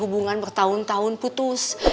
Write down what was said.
hubungan bertahun tahun putus